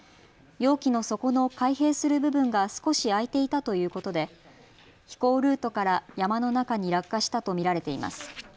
容器の底の開閉する部分が少し開いていたということで飛行ルートから山の中に落下したと見られています。